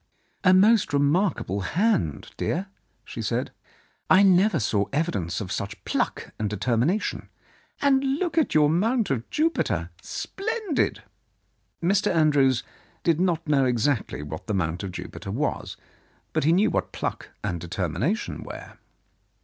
"A most remarkable hand, dear," she said. "I never saw evidence of such pluck and determination. And look at your Mount of Jupiter ! Splendid !" Mr. Andrews did not know exactly what the Mount of Jupiter was, but he knew what pluck and deter mination were.